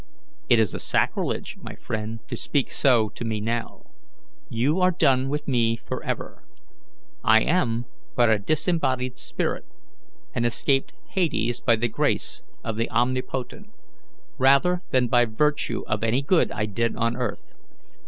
"It is a sacrilege, my friend, to speak so to me now. You are done with me forever. I am but a disembodied spirit, and escaped hades by the grace of the Omnipotent, rather than by virtue of any good I did on earth.